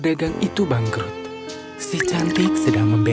dan suatu hari takdirnya berubah